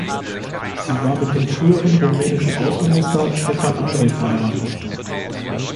Sie war mit dem früheren rumänischen Außenminister Ștefan Andrei verheiratet.